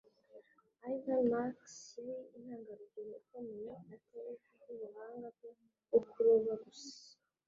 Ivan Marks yari intangarugero ikomeye, atari kubwubuhanga bwe bwo kuroba gusa